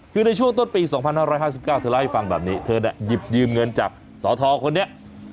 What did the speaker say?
คือในช่วงต้นปี๒๕๕๙เธอเล่าให้ฟังแบบนี้เธอเนี่ยหยิบยืมเงินจากสทคนนี้